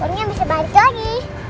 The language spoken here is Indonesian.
burungnya bisa baju lagi